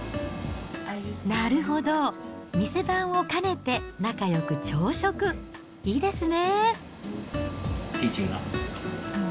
なるほど、店番を兼ねて、仲よく朝食、いいですね。